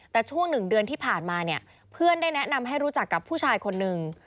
แต่ช่วงหนึ่งเดือนที่ผ่านมาเนี่ยเพื่อนได้แนะนำให้รู้จักกับผู้ชายคนนึง